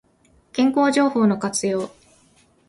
健康情報の活用